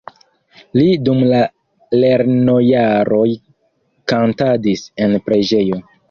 Li dum la lernojaroj kantadis en preĝejo.